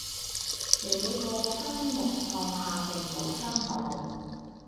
這個分目項下並無新項目